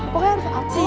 pokoknya harus aktif